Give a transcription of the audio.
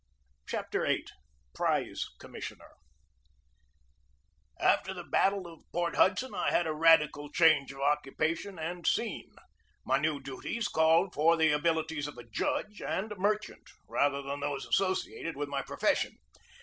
CHAPTER VIII PRIZE COMMISSIONER AFTER the battle of Port Hudson I had a radical change of occupation and scene. My new duties called for the abilities of a judge and a merchant rather than those associated with my profession.